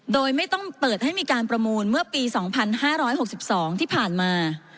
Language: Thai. โดยไม่ต้องเปิดให้มีการประมูลเมื่อปีสองพันห้าร้อยหกสิบสองที่ผ่านมา